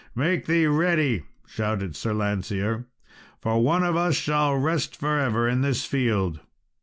"Make thee ready," shouted Lancear, "for one of us shall rest for ever in this field."